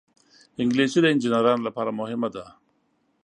انګلیسي د انجینرانو لپاره مهمه ده